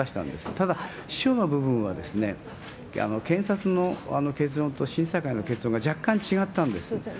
ただ、主の部分は検察の結論と審査会の結論が若干違ったんです。